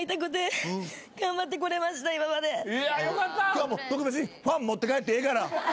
今日は特別にファン持って帰ってええから。